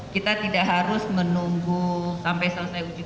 kita tidak harus menunggu sampai selesai uji